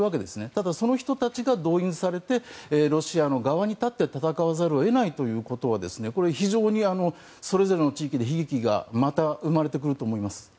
ただ、その人たちが動員されてロシアの側に立って戦わざるを得ないということは非常にそれぞれの地域で悲劇がまた生まれてくると思います。